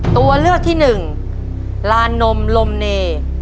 ตัวเลือกที่หนึ่งลานนมลมเน